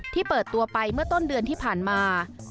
เปิดตัวไปเมื่อต้นเดือนที่ผ่านมา